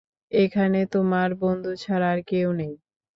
এখানে তোমার বন্ধু ছাড়া আর কেউ নেই।